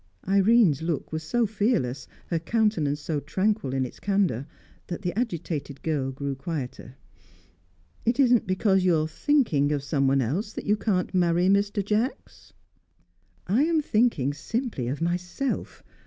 Irene's look was so fearless, her countenance so tranquil in its candour, that the agitated girl grew quieter. "It isn't because you are thinking of someone else that you can't marry Mr. Jacks?" "I am thinking simply of myself.